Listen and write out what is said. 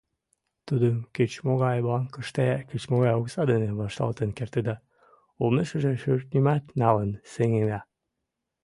Тудым кеч-могай банкыште кеч-могай окса дене вашталтен кертыда, олмешыже шӧртньымат налын сеҥеда.